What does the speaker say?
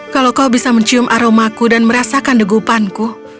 kalau kau bisa mencium aromaku dan merasakan degupanku